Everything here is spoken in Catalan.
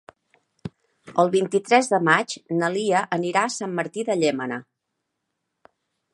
El vint-i-tres de maig na Lia anirà a Sant Martí de Llémena.